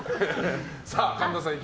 神田さん。